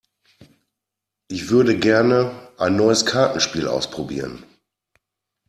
Ich würde gerne ein neues Kartenspiel ausprobieren.